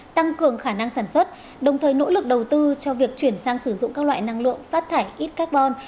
tăng cường khả năng sản xuất đồng thời nỗ lực đầu tư cho việc chuyển sang sử dụng các loại năng lượng phát thải ít carbon